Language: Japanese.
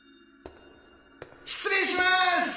失礼します。